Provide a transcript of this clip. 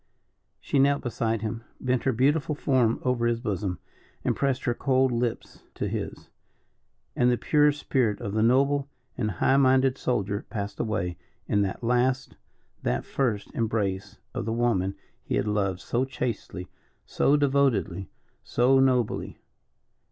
She knelt beside him, bent her beautiful form over his bosom, and pressed her cold lips to his, and the pure spirit of the noble and high minded soldier passed away in that last that first embrace of the woman he had loved so chastely, so devotedly, so nobly.